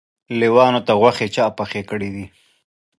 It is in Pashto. لېوانو ته غوښې چا پخې کړي دي؟